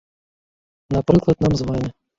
Напрыклад, нам з вамі.